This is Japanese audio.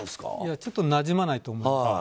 ちょっとなじまないと思います。